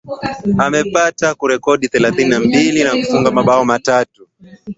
Amepata rekodi thelathini na mbili ya kufunga bao tatu